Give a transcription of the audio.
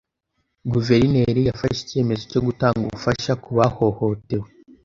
Guverineri yafashe icyemezo cyo gutanga ubufasha ku bahohotewe.